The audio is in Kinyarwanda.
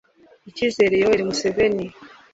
icyizere yoweri museveni,